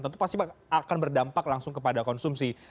tentu pasti akan berdampak langsung kepada konsumsi